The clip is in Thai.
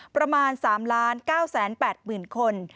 ประมาณ๓๙๘๐๐๐คน